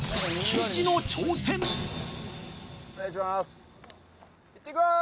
お願いします